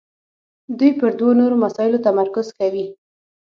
دوی پر دوو نورو مسایلو تمرکز کوي.